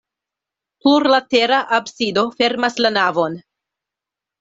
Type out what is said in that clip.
Plurlatera absido fermas la navon.